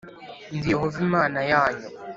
ndi Yehova Imana yanyu